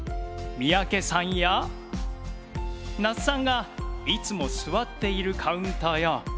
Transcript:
三宅さんや那須さんがいつも座っているカウンターや。